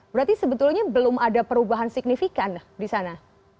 berarti sebetulnya belum ada perubahan signifikan di sana